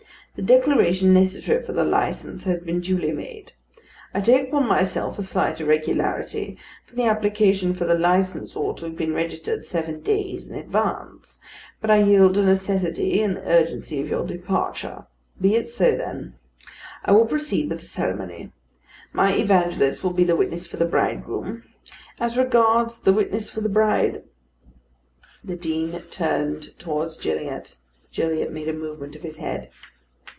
The declaration necessary for the licence has been duly made. I take upon myself a slight irregularity; for the application for the licence ought to have been registered seven days in advance; but I yield to necessity and the urgency of your departure. Be it so, then. I will proceed with the ceremony. My evangelist will be the witness for the bridegroom; as regards the witness for the bride " The Dean turned towards Gilliatt. Gilliatt made a movement of his head.